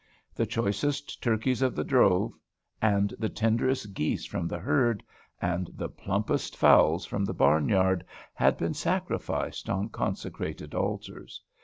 The choicest turkeys of the drove, and the tenderest geese from the herd, and the plumpest fowls from the barnyard, had been sacrificed on consecrated altars.